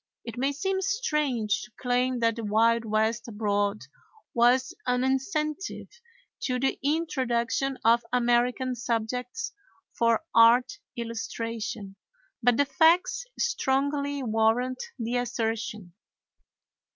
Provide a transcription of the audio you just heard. It may seem strange to claim that the Wild West abroad was an incentive to the introduction of American subjects for art illustration; but the facts strongly warrant the assertion.